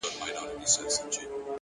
تمرکز بریا ته لنډه لاره جوړوي!.